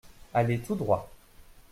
Allez tout droit !